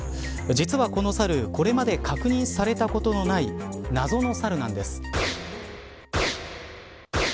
実は、このサルこれまで確認されたことのない謎のサルなんです。